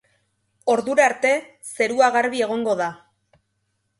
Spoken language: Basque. Ordura arte zerua garbi egongo da.